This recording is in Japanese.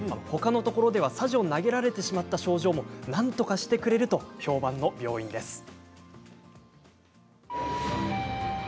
ほかのところではさじを投げられてしまった症状もなんとかしてくれると評判の病院です。